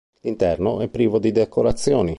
L'interno è privo di decorazioni.